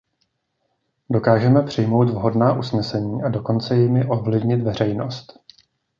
Dokážeme přijmout vhodná usnesení a dokonce jimi ovlivnit veřejnost.